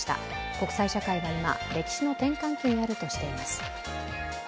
国際社会は今、歴史の転換期にあるとしています。